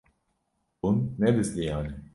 Hûn nebizdiyane.